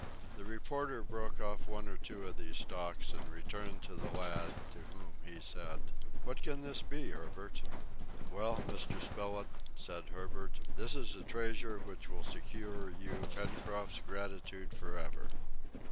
The reporter broke off one or two of these stalks and returned to the lad, to whom he said, "What can this be, Herbert?" "Well, Mr. Spilett," said Herbert, "this is a treasure which will secure you Pencroft's gratitude forever."